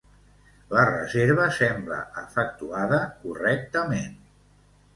La reserva sembla efectuada correctament.